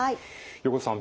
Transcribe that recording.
横手さん